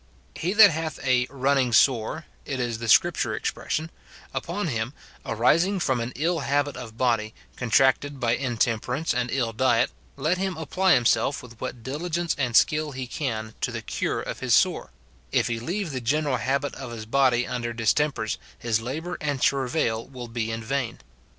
He that hath a "running sore" (it is the Scripture expression) upon him, arising from an ill habit of body, contracted by intemperance and ill diet, let him apply himself with what diligence and skill he can to the cure of his sore, if he leave the general habit of his body under distempers, his labour and travail will be in vain.